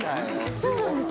そうなんです。